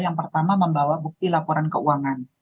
yang pertama membawa bukti laporan keuangan